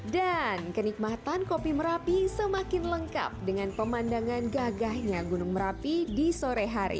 dan kenikmatan kopi merapi semakin lengkap dengan pemandangan gagahnya gunung merapi di sore hari